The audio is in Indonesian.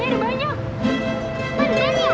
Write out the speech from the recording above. disini ada yang menimbul